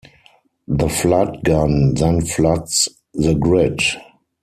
The flood gun then floods the grid.